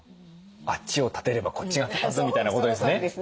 あっちを立てればこっちが立たずみたいなことですね。